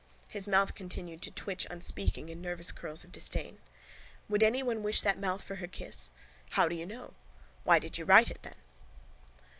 His mouth continued to twitch unspeaking in nervous curls of disdain. Would anyone wish that mouth for her kiss? How do you know? Why did you write it then?